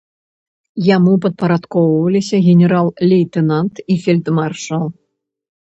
Яму падпарадкоўваліся генерал-лейтэнант і фельдмаршал.